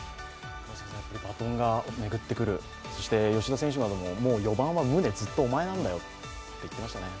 バトンが巡ってくる、そして吉田選手も４番はムネ、ずっとお前なんだよと言ってましたね。